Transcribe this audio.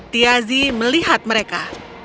tiazi melihat mereka